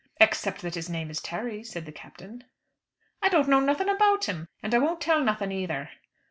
"Except that his name is Terry," said the Captain. "I don't know nothin' about him, and I won't tell nothin' either."